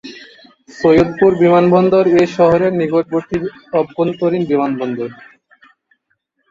সৈয়দপুর বিমানবন্দর এ শহরের নিকটবর্তী আভ্যন্তরীণ বিমানবন্দর।